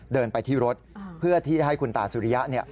เดินไปที่รถเพื่อที่จะให้คุณตาสุริยะ